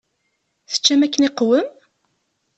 Teččam akken iqwem?